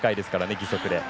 義足で。